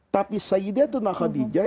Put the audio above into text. tapi sayyidatuna khadijah